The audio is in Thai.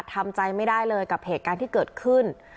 ทำใจไม่ได้เลยกับเหตุการณ์ที่เกิดขึ้น